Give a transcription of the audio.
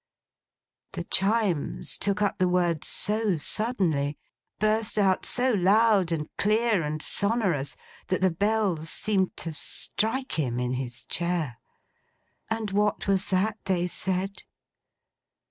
The Chimes took up the words so suddenly—burst out so loud, and clear, and sonorous—that the Bells seemed to strike him in his chair. And what was that, they said?